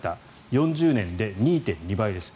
４０年で２．２倍です。